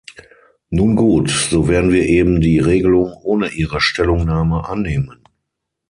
Nun gut, so werden wir eben die Regelung ohne Ihre Stellungnahme annehmen.